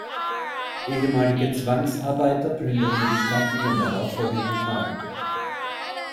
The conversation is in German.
Ehemalige Zwangsarbeiter plünderten die Stadt in den darauffolgenden Tagen.